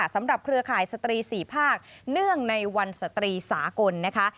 สำหรับเครือข่ายสตรีสี่ภาคเนื่องในวันสตรีสากลนะคะ